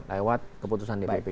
lewat keputusan dpp